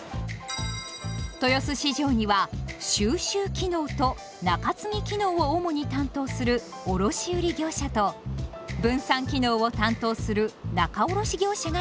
豊洲市場には「収集機能」と「仲継機能」を主に担当する「卸売業者」と「分散機能」を担当する「仲卸業者」がいます。